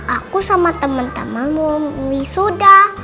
aku sama temen temen mau wisuda